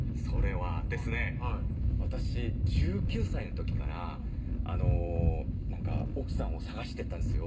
はい私１９歳の時から奥さんを探してたんですよ